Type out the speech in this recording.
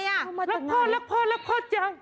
รักพ่อรักพ่อรักพ่อจัง